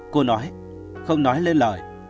cô nói không nói lên lời